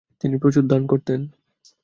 তিনি প্রচুর দান করতেন।